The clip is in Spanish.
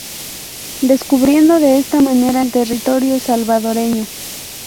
Descubriendo de esta manera el territorio salvadoreño.